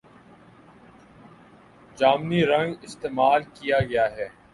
جامنی رنگ استعمال کیا گیا ہے